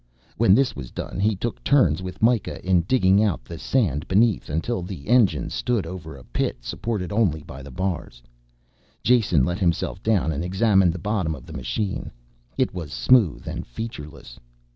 When this was done he took turns with Mikah in digging out the sand beneath until the engine stood over a pit supported only by the bars. Jason let himself down and examined the bottom of the machine. It was smooth and featureless.